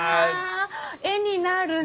絵になるな。